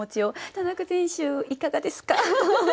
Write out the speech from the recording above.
田中選手いかがですか？